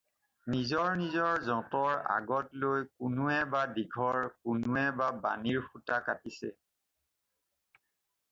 নিজৰ নিজৰ যঁতৰ আগত লৈ কোনোৱে বা দীঘৰ, কোনোৱে বা বাণিৰ সূতা কাটিছে।